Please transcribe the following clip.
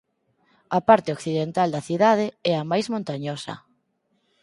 A parte occidental da cidade é a máis montañosa.